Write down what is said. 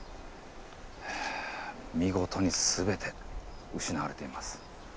見事に全て失われています。